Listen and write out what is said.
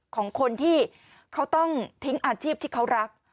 ของคนที่เขาต้องทิ้งอาชีพที่เขารัก